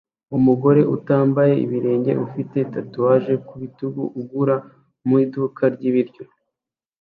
Umugore utambaye ibirenge ufite tatuwaje ku bitugu agura mu iduka ry'ibiryo